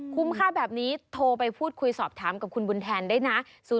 ค่าแบบนี้โทรไปพูดคุยสอบถามกับคุณบุญแทนได้นะ